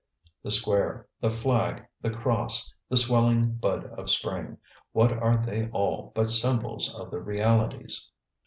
The square, the flag, the cross, the swelling bud of spring, what are they all but symbols of the realities?